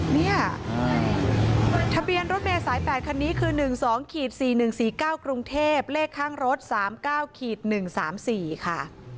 เนี่ยทะเบียนรถเมยสาย๘คันนี้คือ๑๒๔๑๔๙กรุงเทพเลขข้างรถ๓๙๑๓๔ค่ะ